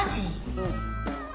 うん。